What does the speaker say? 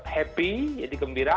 happy jadi gembira